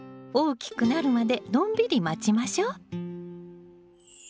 大きくなるまでのんびり待ちましょ。